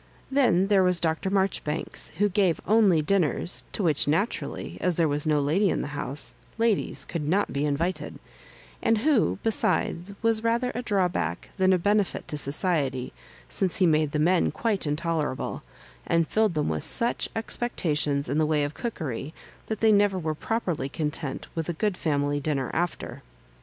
Then there was Dr. Marjoribanks, who gave only dinners, to which naturally, as there was no lady in the house, ladies could not be invited, and who, besides, was rather a draw back than a benefit to society, since he made the men quite intolerable, and filled them with such expectations in the way of cookery, that they never were properly content with a good family dinner after.